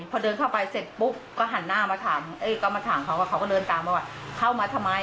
พอเดินเข้าไปเสร็จปุ๊บก็หันหน้ามาถามก็มาถามเขาว่าเขาก็เดินตามมาว่าเข้ามาทำไม